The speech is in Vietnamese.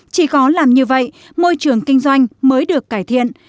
chỉ có làm như vậy môi trường kinh doanh mới được cải thiện